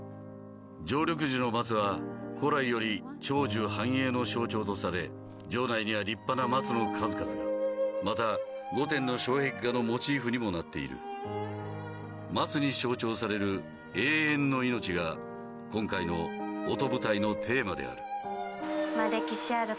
常緑樹の松は古来より長寿繁栄の象徴とされ城内には立派な松の数々がまた御殿の障壁画のモチーフにもなっている松に象徴される「永遠のいのち」が今回の「音舞台」のテーマである歴史ある